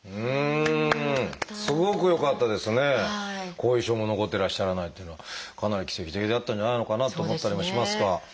後遺症も残ってらっしゃらないというのはかなり奇跡的だったんじゃないのかなと思ったりもしますが。